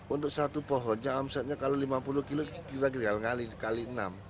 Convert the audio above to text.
untuk satu pohonnya omsetnya kalau lima puluh kilo kita tinggal kali enam